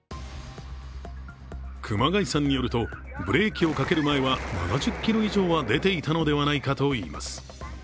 熊谷さんによるとブレーキをかける前は７０キロ以上は出ていたのではないかといいます。